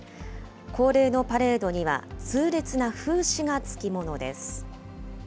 恒例のパレードには、痛烈な風刺がつきものです。